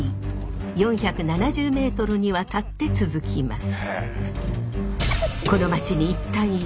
４７０メートルにわたって続きます。